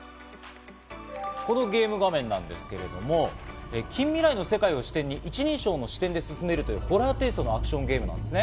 このゲーム画面なんですが、近未来の世界を視点に、一人称の視点で進める、ホラーテイストのアクションゲームなんです。